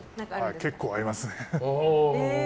結構ありますね。